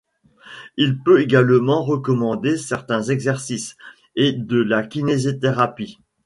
Il peut également recommander certains exercices et de la kinésithérapie.